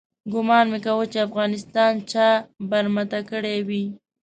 ګومان مې کاوه چې افغانستان چا برمته کړی وي.